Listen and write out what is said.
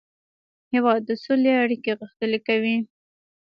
هېواد د سولې اړیکې غښتلې کوي.